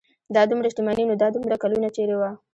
دا دومره شتمني نو دا دومره کلونه چېرې وه.